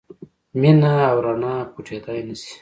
مینه او رڼا پټېدای نه شي.